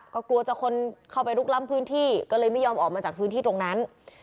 ก็กลัวจะคนเข้าไปลุกล้ำพื้นที่ก็เลยไม่ยอมออกมาจากพื้นที่ตรงนั้น